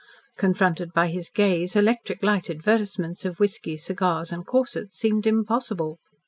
Confronted by his gaze, electric light advertisements of whiskies, cigars, and corsets seemed impossible.